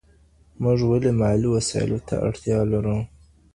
موږ ولي مالي وسايلو ته اړتيا لرو؟